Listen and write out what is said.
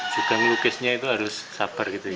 cukang lukisnya itu harus sabar gitu ya